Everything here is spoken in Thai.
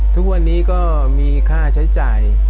ทุกวันนี้ก็มีค่าใช้จ่าย